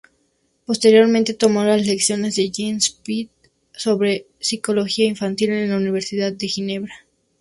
Posteriormente, tomó lecciones de Jean Piaget sobre psicología infantil en la Universidad de Ginebra.